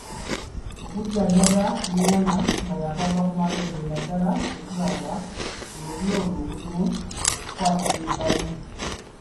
Okujjanjaba ennyana nga yaakava ku mabeere naddala bwe kiba nga mu lulyo olwo mulimu okukwatibwa ebbanyi.